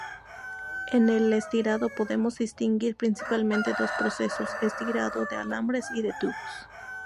En el estirado podemos distinguir, principalmente, dos procesos: estirado de alambres y de tubos.